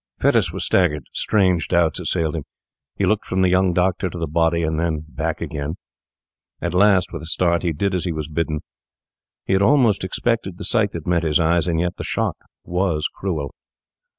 Fettes was staggered; strange doubts assailed him. He looked from the young doctor to the body, and then back again. At last, with a start, he did as he was bidden. He had almost expected the sight that met his eyes, and yet the shock was cruel.